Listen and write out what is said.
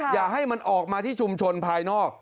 อย่าให้มันออกมาที่ชุมชนภายนอก